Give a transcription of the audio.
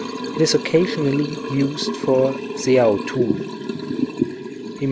It is occasionally used for σεαυτοῦ, Rem.